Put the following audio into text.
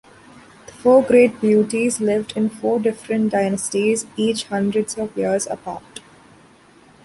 The Four Great Beauties lived in four different dynasties, each hundreds of years apart.